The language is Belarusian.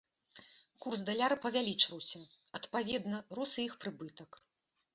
Курс даляра павялічваўся, адпаведна, рос і іх прыбытак.